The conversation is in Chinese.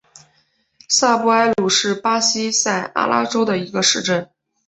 萨布埃鲁是巴西塞阿拉州的一个市镇。